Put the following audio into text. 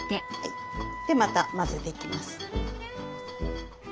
でまた混ぜていきます。